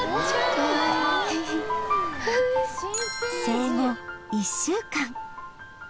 生後１週間